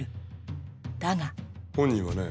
だが本人はね